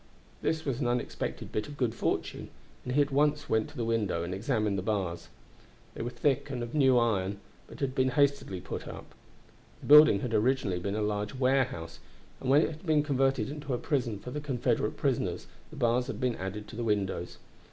This was an unexpected bit of good fortune, and he at once went to the window and examined the bars. They were thick and of new iron, but had been hastily put up. The building had originally been a large warehouse, and when it had been converted into a prison for the Confederate prisoners the bars had been added to the windows.